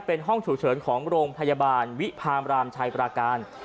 เป็นห้องฉุกเฉินของโรงพยาบาลวิพามรามชัยปราการ